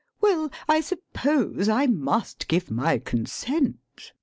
Well, I suppose I must give my consent.